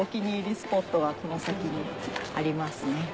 スポットがこの先にありますね。